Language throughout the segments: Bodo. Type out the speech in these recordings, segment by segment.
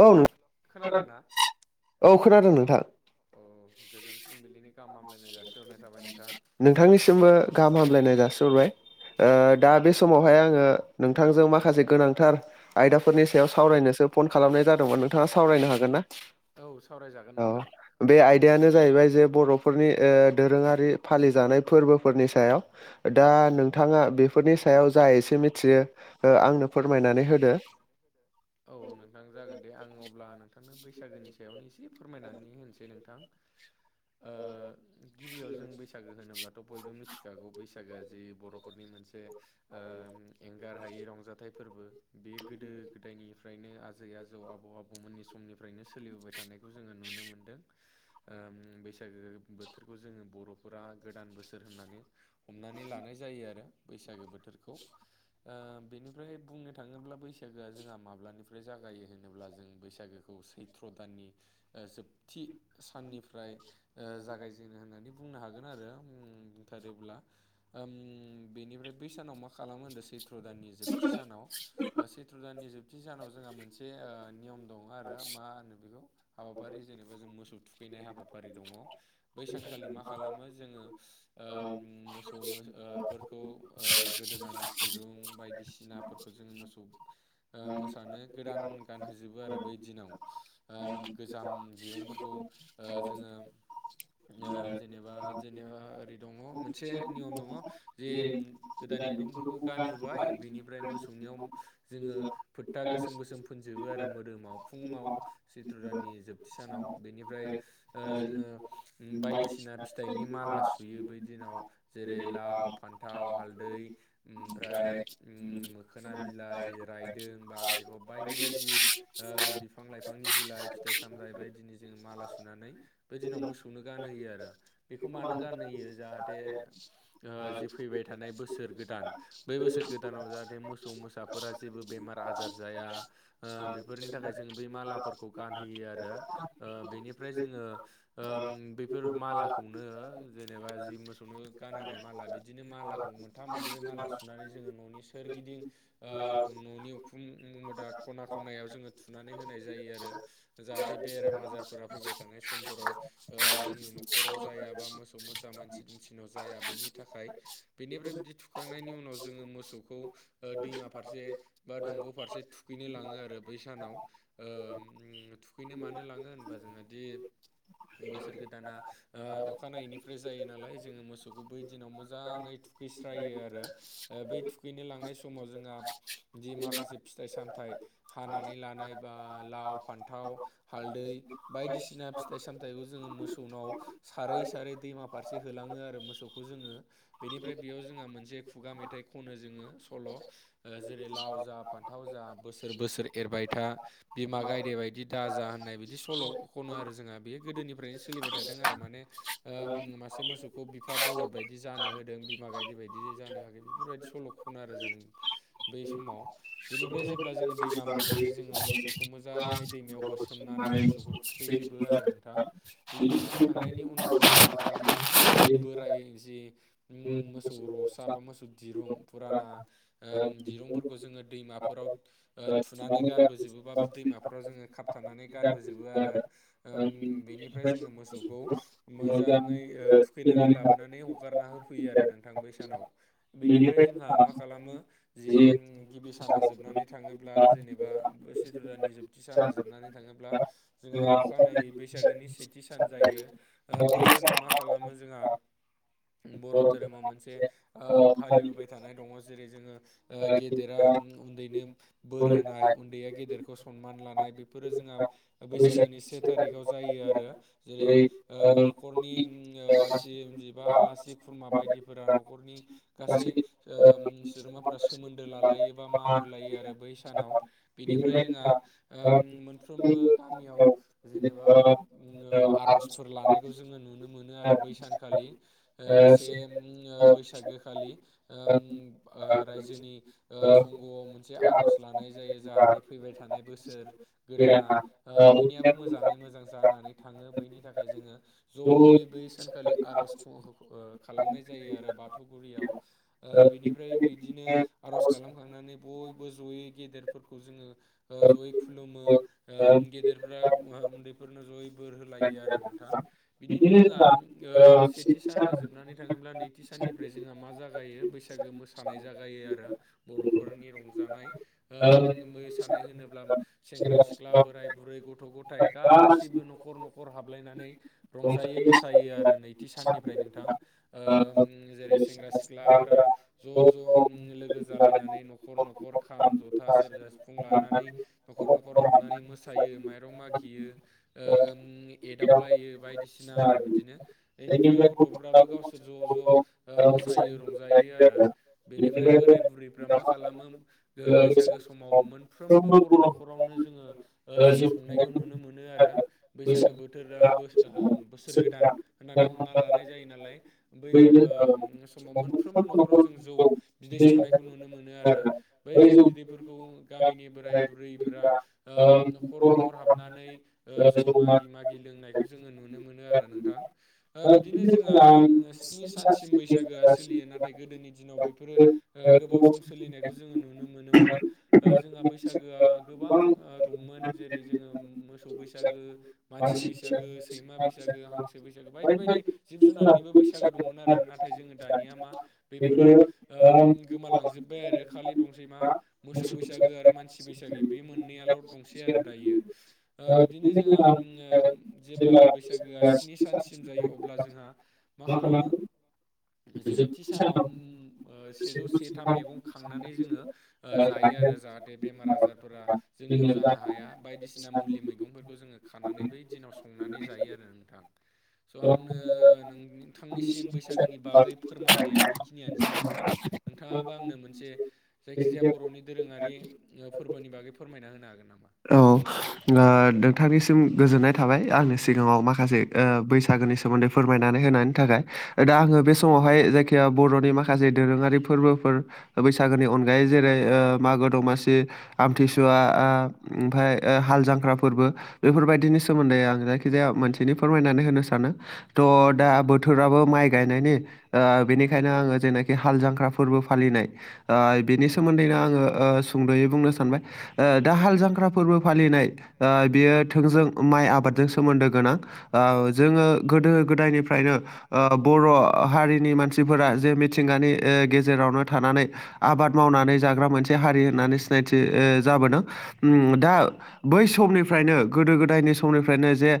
औ नोंथां खोनादों ना? औ खोनादों नोंथां। औ गोजोन फुंबिलिनि गाहाम हामलायनाय जासिहरनाय थाबाय नोंथां। नोंथांनिसिमबो गाहाम हामलायनाय जासिहरबाय ओ औ दा बे समाव आमफाय आङो नोंथांजों माखासे गोनांथार आयदाफोरनि सायाव सावरायनोसो फन खालामनाय जादोंमोन नोंथाङा सावरायनो हागोनना? औ सावरायजागोन नोंथां। आयदायानो जाहैबाय जे बर'फोरनि दोरोंआरि फालि जानाय फोरबोफोरनि सायाव। दा नोंथाङा बेफोरनि सायाव जा एसे मिथियो आंनो फोरमायनानै होदो। औ नोंथां जागोन दे आं अब्ला नोंथांनो बैसागोनि सायावनो एसे फोरमायनानै होनोसै नोंथां ओ गिबियाव जों बै बैसागो होनोब्लाथ' बयबो मिथिखागौ बैसागोआ जि बर'फोरनि मोनसे ओ एंगार हायै रंजाथाइ फोरबो बे गोदो निफ्रायनो आजै आजौ आबौ आबौमोननि समनिफ्रायनो सोलिबोबाय थानायखौ जोङो नुनो मोनदों बैसागो बोथोरखौ जोङो बर'फोरा गोदान बोसोर होननानै हमनानै लानाय जायो आरो बैसागो बोथोरखौ ओ बेनिफ्राय बुंनो थाङोब्ला बैसागो बैसागोआ जोंहा माब्लानिफ्राय जागायो होनोब्ला जों बैसागोखौ सैथ्र' दाननि जोबथि साननिफ्राय ओ जागायजेनो होननानै बुंनो हागोन आरो बुंथारोब्ला ओम बेनिफ्राय बै सानाव मा खालामो होनदों सै सैथ्र' दाननि जोबथि सानाव सैत्र' दाननि जोबथि सानाव जोंहा मोनसे नियम दङ आरो मा होनो बेखौ हाबाफारि जेनेबा जों मोसौ थुखैनाय हाबाफारि दङ बैसानखालि मा खालामो जोङो मोसौ फोरखौ ओ गोदोनानि दिरुं बायदिसिनाफोरखौ जोङो मोसौ मोसानो गोदान गान हो जोबो आरो बै दिनाव ओ गोजाम दिरुंफोरखौ ओ जोङो जेनेबा जेनेबा ओरै दङ मोनसे नियम दङ जे गोदान दिरुंफोरखौ गानहोबाय बेनिफ्राय मोसौनियाव जोङो फोथा गोसोम गोसोम फोनजोबो आरो मोदोमाव फुङाव चित्र दाननि जोबथि सानाव बेनिफ्राय ओ जोङो बायदिसिना फिथाइनि माला सुयो बै दिनाव जेरै लाव फान्थाव हालदै ओमफ्राय मोखोना बिलाय रायदों बांख्रिखब बायदि बायदि बिफां लाइफांनि बिलाइ फिथाइ सामथाइ बायदिनि जोङो माला सुनानै बे दिनाव मोसौनो गानहोयो आरो बेखौ मानो गानहोयो जाहाथे जि फैबाय थानाय बोसोर गोदान बै बोसोर गोदानाव जाहाथे मोसौ मोसा फोरा जेबो बेमार आजार जाया बेफोरनि थाखाय जों बै मालाफोरखौ गानहोयो आरो बेनिफ्राय जोङो बेफोर मालाखौनो जेनेबा जि मोसौनो गानहोनाय माला बिदिनो माला मोनथाम मोनब्रै माला सुनानै जोङो न'नि सोरगिदिं न'नि उखुं मुदा खना खनायाव जोङो थुनानै होनाय जायो आरो जाहाथे बेराम आजारफोरा फैबाय थानाय समफोराव जोंनि न'खराव जाया बा मोसौ मोसा मानसि दुमसिनाव जाया बैनि थाखाय बेनिफ्राय बिदि थुखांनायनि उनाव जोङो मोसौखौ दैमा फारसे बा दंग' फारसे थुखैनो लाङो आरो बै सानाव ओ थुखैनो मानो लाङो होनबा जोङो दि बोसोर गोदाना अखानायैनिफ्राय जायो नालाय जोङो मोसौखौ बै दिनाव मोजाङै थुखैस्रायो आरो बै थुखैनो लांनाय समाव जोंहा जि माखासे फिथाइ सामथाइ हानानै लानाय बा लाव फान्थाव हालदै बायदिसिना फिथाइ सामथायाइखौ जोङो मोसौनाव सारै सारै दैमा फारसे होलाङो आरो मोसौखौ जोङो बेनिफ्राय बेयाव जोंहा मोनसे खुगा मेथाइ खनो जोङो सल'। जेरै लाव जा फान्थाव जा बोसोर बोसोर एरबाय था। बिमा गायदे बायदि दाजा होननाय बिदि सल' खनो आरो जोंहा बे गोदोनिफ्रायनो सोलिबाय थादों आरो माने। ओ मासे मोसौखौ बिफा बलद बायदि जानो होदों बिमा गायदि बायदि जानो होआखै बेफोरबायदि सल'खौ खनो आरो जोङो। बै समाव बेनिफ्राय जेब्ला जोङो दैमा मोनहैयो जोङो मोसौखौ मोजाङै दैमायाव होसो सनानै मोसौखौ थुखैजोबो आरो नोंथां बिदि थुखैखांनायनि उनाव जों जोङो मा खालामो जि बोराय जे मोसौ रसा बा मोसौ दिरुं फुराना ओम दिरुंफोरखौ जोङो दैमाफोराव। ओ थुनानै गारबोजोबो बा दैमाफोराव खाबथानानै गारबोजोबो आरो। उम बेनिफ्राय जोङो मोसौखौ मोजाङै ओ थुखैनानै लाबोनानै हगारना होफैयो आरो नों थां बै सानाव बेनिफ्राय जोंहा मा खालामो। जि गिबि साना जोबनानै थाङोब्ला जेनेबा सैत्र दाननि जोब साना जोबनानै थाङोब्ला जोंहा अखानायै बैसागोनि सेथि सान जायो ओ बै सानाव मा खालामो जोंहा बर' धोरोमा मोनसे ओ फालिबोबाय थानाय दङ जेरै जोङो ओ गेदेरा उन्दैनो बोर होनाय उन्दैया गेदेरखौ सनमान लानाय बेफोरो जोंहा बैसागोनि से थारिखआव जायो आरो जेरै‌ ओ न'खरनि उम मानसिजिबा आलासि खुरमा बायदिफोरा न'खरनि गासै ओ ओम सोद्रोमाफोरा सोमोन्दो लालायो बा मान होलायो आरो बै सानाव। बेनिफ्राय जोंहा ओ मोनफ्रोमबो गामियाव जेनेबा ओम आर'जफोर लानायखौ जोङो नुनो मोनो आरो बै सानखालि। से ओ बैसागो खालि उम रायजो जोंनि ओ संग'आव मोनसे आर'ज लानाय जायो जाहाथे फैबाय थानाय बोसोर गोदाना ओ बयनियाबो मोजाङै मोजां जानानै थाङो बैनि थाखाय जोङो जयै बै सानखालि आर'ज खालामनाय जायो आरो बाथौ गुदियाव। ओं बिनिफ्राय बिदिनो आर'ज खालामखांनानै बयबो जयै गेदेरफोरखौ जोङो जयै खुलुमो। ओ गेदेरफ्रा उन्दैफोरनो जयै बोर होलायो आरो नोंथां। बिदिनो जोंहा उम ओ सेथि साना जोबनानै थाङोब्ला नै नैथि साननिफ्राय जोंहा मा जागायो बैसागो मोसानाय जागायो‌ आरो। बर'फोरनि रंजानाय ओम मोसानाय होनोब्ला सेंग्रा सिख्ला बोराय बुरै गथ' गथाय गासिबो न'खर न'खर नखर हाबलायनानै रंजायो मोसायो आरो नैथि साननिफ्राय नोंथां। उम जेरै सेंग्रा सिख्लाफोरा ज' ज' लोगो। लोगो जालायनानै न'खर न'खर खाम जथा सेरजा सिफुं लानानै न'खर न'खर हाबनानै मोसायो माइरं मागियो ओ एदावलायो बायदि‌ बायदिसिना आरो बिदिनो बेनिफ्राय गथ'फ्राबो गावसोर ज' ज'। ओ मोसायो रंजायो आरो बेनिफ्राय बोराय बुरैफ्रा मा खालामो बैसागो समाव मोनफ्रोमबो बर' न'खरावनो जोङो जौ संनायखौ नुनो मोनो आरो। बैसागो बोथोरा बोसोर गोदान होननानै हमना लानाय जायो नालाय। बै समाव मोनफ्रोमबो न'खराव जों जौ बिदै संनायखौ नुनो मोनो आरो। बै जौ बिदैफोरखौ गामिनि बोराय बुरैफोरा न'खर न'खर हाबनानै जौ मागि मागि लोंनायखौ जोङो नुनो मोनो आरो नोंथां। बिदिनो जोंहा स्नि सानसिम बैसागोआ सोलियो नाथाय गोदोनि दिनाव बेफोरो गोबाव सम सोलिनायखौ जोङो नुनो मोनोमोन। जोंहा बैसागोआ गोबां दंमोन जेरै जोङो मोसौ बैसागो मानसि बैसागो सैमा बैसागो, हांसो बैसागो बायदि बायदि जिब जुनारनिबो बैसागो दंमोन आरो नाथाय जोङो दानिया मा बेफोरो गोमालांजोबबाय आरो खालि दंसै मा मोसौ बैसागो आरो मान सि बैसागि बे मोननैयाल' दंसै आरो दायो बिदिनो जोंहा जेब्ला बैसागोआ स्नि सानसिम जायो अब्ला जोंहा मा खालामो जोबथि सानाव सेजौ सेथाम मैगं खांनानै जोङो जायो आरो जाहाथे बेमार आजारफोरा जोंनियाव जानो हाया बायदिसिना मुलि मैगंफोरखौ जोङो खानानै बै दिनाव संनानै जायो आरो नोंथां। स' आंनो नोंथांनिसिम बैसाग सागोनि बागै फोरमायनाया बेखिनियानोसै नोंथां नोंथाङाबो आंनो मोनसे जायखिजाया बर'नि दोरोङारि फोरबोनि बागै फोरमायना होनो हागोन नामा? औ। नोंथांनिसिम गोजोननाय थाबाय आंनि सिगाङाव माखासे बैसागोनि सोमोन्दै फोरमायनानै होनायनि थाखाय। दा आङो बे समावहाय जायखिजाया बर'नि माखासे दोरोङारि फोरबोफोर बैसागोनि अनगायै जेरै मागो दमासि आमथिसुवा ओमफाय हालजांख्रा फोरबो बेफोरबायदिनि सोमोन्दै आं जायखि जाया मोनसेनि फोरमायनानै होनो सानो। थ' दा बोथोराबो माइ गायनायनि बेनिखायनो आङो जेनाखि हाल जांख्रा फोरबो फालिनाय बेनि सोमोन्दैनो आङो सुंद'यै बुंनो सानबाय। दा हाल जांख्रा फोरबो फालिनाय बेयो थोंजों माइ आबादजों सोमोन्दो गोनां। जोङो गोदो गोदायनिफ्रायनो बर' हारिनि मानसिफोरा जे मिथिंगानि गेजेरावनो थानानै आबाद मावनानै जाग्रा मोनसे हारि होननानै सिनायथि जाबोदों। दा बै समनिफ्रायनो गोदायनि समनिफ्रायनो जे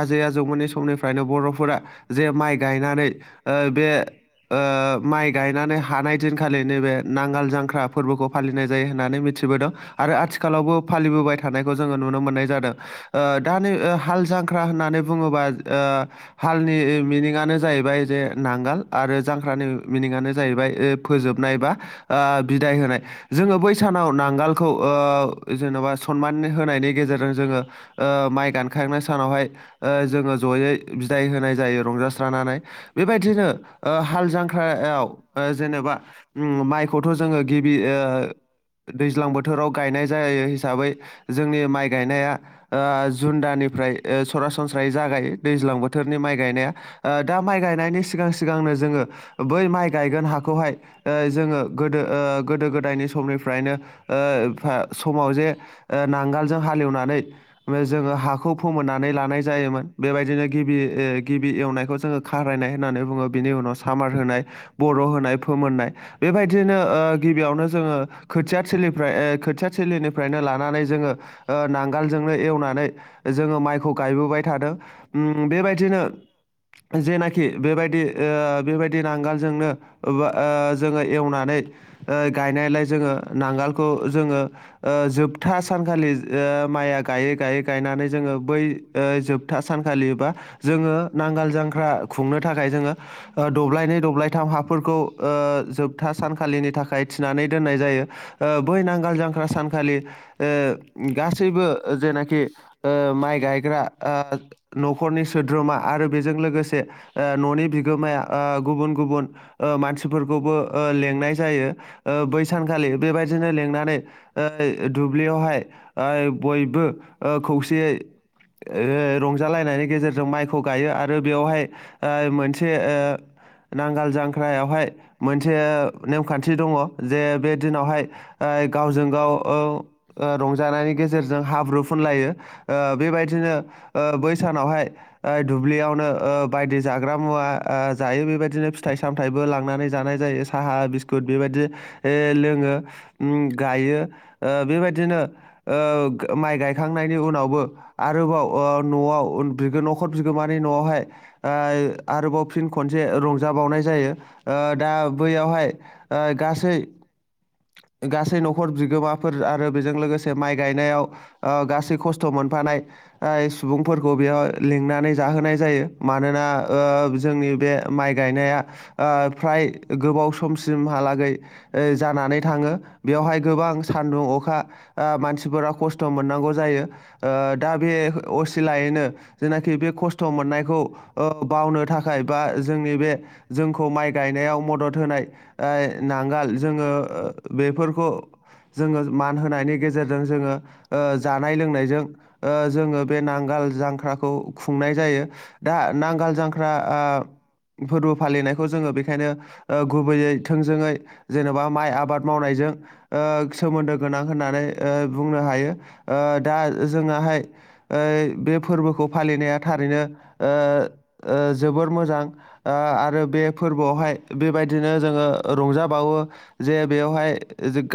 आजै आजौमोननि समनिफ्रायनो फ्रायनो बर'फोरा जे माइ गायनानै बे माइ गायनानै हानाय दिनखालि नैबे नांगोल जांख्रा फोरबोखौ फालिनाय जायो होन्नानै मिथिबोदों आरो आथिखालावबो फालिबोबाय थानायखौ जोङो नुनो मोननाय जादों दा नै हाल जांख्रा होननानै बुङोबा हालनि मिनिङानो जाहैबाय जे नांगोल आरो जांख्रानि मिनिङानो जाहैबाय फोजोबनाय बा बिदाय होनाय जोङो बै सानाव नांगोलखौ जेन'बा सनमान होनायनि गेजेरजों जोङो माइ गानखांनाय सानावहाय जोङो जयै बिदाय होनाय जायो रंजास्रानानै। बेबायदिनो हाल जांख्रायाव जेनेबा माइखौथ' जोङो गिबि दैज्लां बोथोराव गायनाय जायो हिसाबै जोंनि माइ गायनाया जुन दानिफ्राय सरासनस्रायै जागायो दैज्लां बोथोरनि माइ गायनाया। दा माइ गायनायनि सिगां सिगांनो जोङो बै माइ गायगोन हाखौहाय। जोङो गोदो गोदो गोदायनि समनिफ्रायनो समाव जे। नांगालजों हाल एलेवनानै। जोङो हाखौ फोमोननानै लानाय जायोमोन बेबायदिनो गिबि गिबि एवनायखौ जोङो। खारायनाय होननानै बुङो बिनि उनाव सामार होनाय। बर' होनाय फोमोननाय बेबायदिनो ओ गिबियावनो जोङो। खोथिया थोलिफ्राय ओ खोथिया थोलिनिफ्रायनो लां जोङो ओ नांगालजोंनो एवनानै जोङो माइखौ गायबोबाय थादों। ओम बेबादिनो जेनाखि बेबायदि ओ बेबादि नांगोलजोंनो। वो ओ जोङो एवनानै। ओ गायनायलाय जोङो नांगालखौ जोङो ओ जोब। था सानखालि ओ माइया गायै गायै गायनानै जोङो बै ओ जोबथा सानखालि बा। जोङो नांगाल जांख्रा खुंनो थाखाय जोङो। ओ दब्लायनै दब्लायथाम हाफोरखौ ओ जोबथा सानखालिनि थाखाय थिनानै दोननाय जायो। ओ बै नांगाल जांख्रा सानखालि। ओ गासैबो जेनाखि ओ माइ गायग्रा आ। न'खरनि सोद्रोमा आरो बेजों लोगोसे ओ न'नि बिगोमाया ओ गुबुन गुबुन। ओ मानसिफोरखौबो ओ लेंंनाय जायो ओ बैसानखालि बेबायदिनो लेंंनानै। ओ दुब्लियावहाय ओ बयबो ओ खौसेयै। ओ रंजालायनायनि गेजेरजों माइखौ गायो आरो बेवहाय। ओ मोनसे ओ। नांगाल जांख्रायावहाय मोनसे नेमखान्थि दङो जे बे दिनावहाय। ओइ गावजों गाव औ ओ रंजानायनि गेजेरजों हाबु। हाब्रुफुनलायो ओ बेबायदिनो ओ बै सानावहाय। ओइ दुब्लियावनो ओ बायदि जाग्रा मुवा ओ जायो बेबायदिनो फिथाइ सामथायाइबो लांनानै जानाय जायो। साहा बिस्कुट बेबायदि लोङो उम गायो ओ बेबायदिनो। ओ माइ गायखांनायनि उनावबो। आरोबाव ओ न'आव बि न'खर बिगोमानि न'आवहाय। ओइ आरोबाव फिन खनसे रंजाबावनाय जायो ओ दा बैयावहाय। ओइ गासै गासै न'खर बिगोमा। फोर आरो बेजों लोगोसे माइ गायनायाव ओ गासै खस्थ' मोनफानाय। ओइ सुबुंफोरखौ बेयाव लिंनानै जाहोनाय जायो मानोना ओ जोंनि बे। माइ गायनाया ओ फ्राय गोबाव समसिमहालागै। ओ जानानै थाङो बेवहाय गोबां। सान्दुं अखा ओ मानसिफोरा खस्थ' मोननांगौ जायो। ओ दा बे असिलायैनो। जेनाखि बे खस्थ' मोननायखौ ओ बावनो थाखाय बा जोंनि बे। जोंखौ माइ गायनायाव मदद होनाय। ओइ नांगोल जोङो बेफोरखौ। जोङो मान होनायनि गेजेरजों जोङो ओ जानाय लोंनायजों। ओ जोङो बे नांगाल जांख्राखौ खुंनाय जायो। दा नांगाल जांख्रा आ फोरबो फालिनायखौ जोङो बेखायनो। ओ गुबैयै थोंजोङै जेनेबा माइ आबाद मावनायजों ओ। सोमोन्दो गोनां होननानै ओ बुंनो हायो ओ दा जोङाहाय। ओइ बे फोरबोखौ फालिनाया थारैनो ओ ओ जोबोर मोजां। ओ आरो बे फोरबोआवहाय बेबायदिनो जोङो रंजाबावो। जे बेवहाय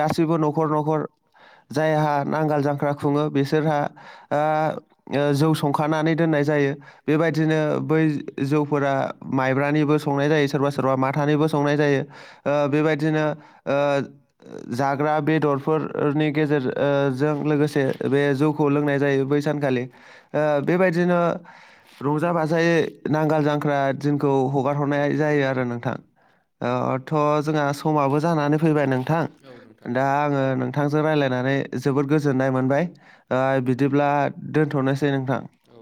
गासैबो न'खर न'खर। जायहा नांगोल जांख्रा खुङो बिसोरहा। ओ जौ संखानानै दोननाय जायो बेबायदिनो बै। जौफोरा माइब्रानिबो संनाय जायो सोरबा सोरबा माथानिबो संनाय जायो। ओ बेबायदिनो ओ जाग्रा बेदरफोरनि गेजेर ओ जों लोगोसे बे जौखौ लोंनाय जायो बै सानखालि ओ बेबायदिनो। रंजा बाजायै नांगाल जांख्रा दिनखौ हगार हरनाय जायो आरो नोंथां। ओ थ' जोंहा समाबो जानानै फैबाय नोंथां औ नोंथां दा आङो नोंथांजों रायज्लायनानै जोबोद गोजोननाय मोनबाय। ओइ बिदिब्ला दोनथ'नोसै नोंथां। औ